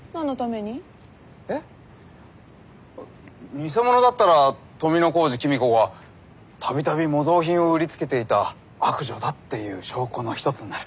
偽物だったら富小路公子が度々模造品を売りつけていた悪女だっていう証拠の一つになる。